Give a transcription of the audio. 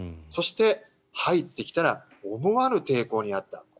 そして、入ってきたら思わぬ抵抗に遭った。